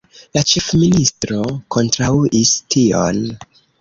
La ĉefministro kontraŭis tion.